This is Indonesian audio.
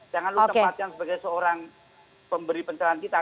jangan kamu tempatkan sebagai seorang pemberi pencerahan kita